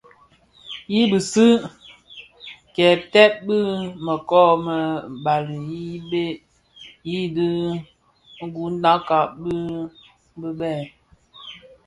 I bisi kèbtè bi mëkoo më bali yi bheg yidhi guňakka di bë.